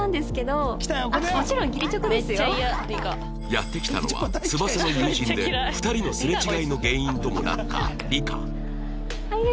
やって来たのは翼の友人で２人のすれ違いの原因ともなった梨香